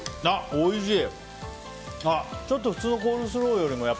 おいしい。